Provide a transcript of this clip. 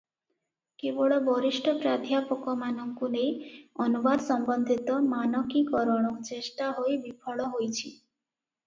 କେବଳ ବରିଷ୍ଠ ପ୍ରାଧ୍ଯାପକମାନଙ୍କୁ ନେଇ ଅନୁବାଦ ସମ୍ବନ୍ଧିତ ମାନକୀକରଣ ଚେଷ୍ଟା ହୋଇ ବିଫଳ ହୋଇଛି ।